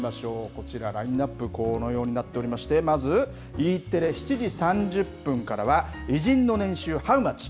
こちら、ラインナップ、このようになっておりまして、まず、Ｅテレ、７時３０分からは偉人の年収Ｈｏｗｍｕｃｈ？